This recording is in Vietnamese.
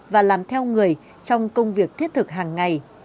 và làm theo người trong công việc thiết thực hàng ngày